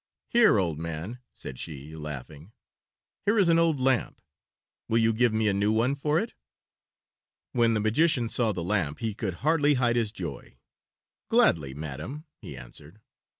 "Here, old man," said she, laughing. "Here is an old lamp. Will you give me a new one for it?" When the magician saw the lamp he could hardly hide his joy. "Gladly, madam," he answered.